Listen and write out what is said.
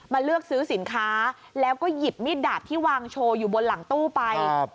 เลือกซื้อสินค้าแล้วก็หยิบมีดดาบที่วางโชว์อยู่บนหลังตู้ไป